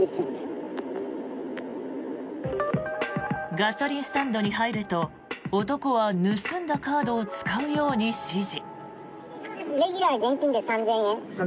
ガソリンスタンドに入ると男は盗んだカードを使うように指示。